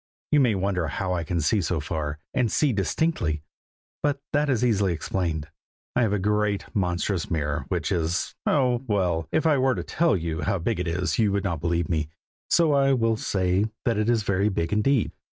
You may wonder how I can see so far, and see distinctly, but that is easily explained. I have a great, monstrous mirror, which is oh! well, if I were to tell you how big it is, you would not believe me, so I will only say that it is very big indeed.